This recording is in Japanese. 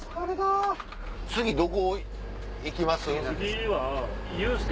次どこ行きます？